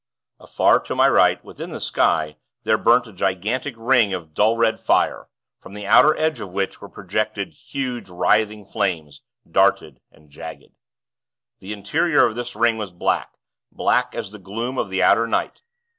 Afar to my right, within the sky, there burnt a gigantic ring of dull red fire, from the outer edge of which were projected huge, writhing flames, darted and jagged. The interior of this ring was black, black as the gloom of the outer night.